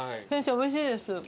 先生おいしいです。